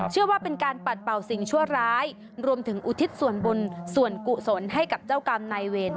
เชื่อว่าเป็นการปัดเป่าสิ่งชั่วร้ายรวมถึงอุทิศส่วนบุญส่วนกุศลให้กับเจ้ากรรมนายเวร